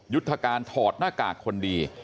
ยุทธการถอดหน้ากากคนดี